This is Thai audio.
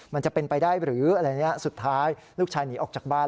มันจะเป็นไปได้หรืออะไรอย่างนี้สุดท้ายลูกชายหนีออกจากบ้าน